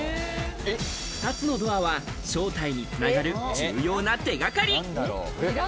２つのドアは正体に繋がる重要な手掛かり。